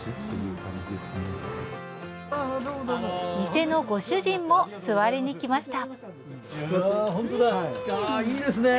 店のご主人も座りにきました。